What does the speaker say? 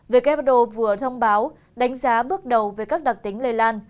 về các bài đồ vừa thông báo đánh giá bước đầu về các đặc tính lây lan